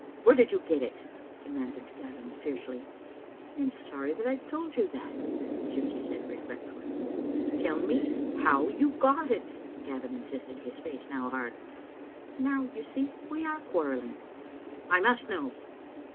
"Where did you get it?" demanded Gavin, fiercely. " I am sorry I told you that," the gypsy said, regret fully. "Tell me how you got it," Gavin insisted, his face now hard. "Now, you see, we are quarrelling." "I must know."